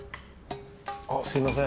あっすみません。